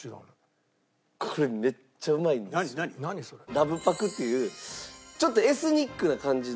ラブパクっていうちょっとエスニックな感じの。